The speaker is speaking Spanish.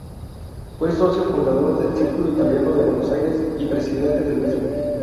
Fue socio fundador del Círculo Italiano de Buenos Aires, y presidente del mismo.